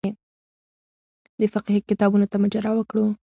د فقهي کتابونو ته مراجعه وکړو.